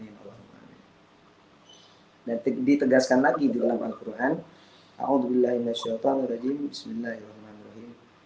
nanti ditegaskan lagi di dalam alquran audzubillah inna syaitanirrohim bismillahirrohmanirrohim